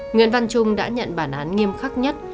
nguyễn văn trung đã nhận bản án nghiêm khắc nhất